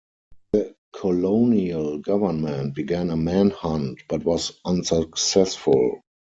The Colonial Government began a man-hunt, but was unsuccessful.